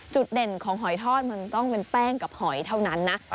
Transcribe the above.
จุดเด่นของหอยทอดมันต้องเป็นแป้งกับหอยเท่านั้นนะ